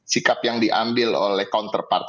sikap yang diambil oleh counterpart